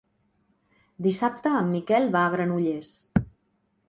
Dissabte en Miquel va a Granollers.